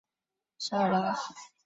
沙尔拉。